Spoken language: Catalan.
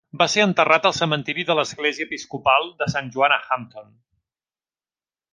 Va ser enterrat al cementiri de l'Església Episcopal de Sant Joan a Hampton.